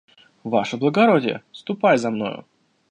Ваше благородие, ступай за мною.